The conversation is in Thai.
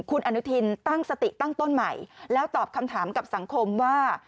คุณอนุทินตั้งสติตั้งต้นใหม่แล้วตอบคำถามกับสังคมว่า